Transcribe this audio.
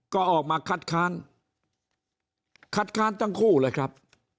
ก็ออกมาคัดค้านคัดค้านทั้งคู่เลยครับ